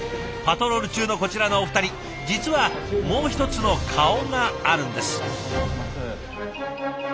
パトロール中のこちらのお二人実はもう一つの顔があるんです。